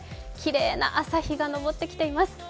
きれいな朝日が昇ってきています。